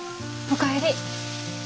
お帰り。